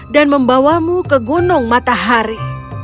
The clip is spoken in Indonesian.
dan membawamu ke gunung matahari